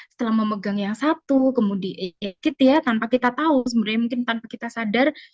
setelah memegang yang satu kemudian tanpa kita tahu sebenarnya mungkin tanpa kita sadar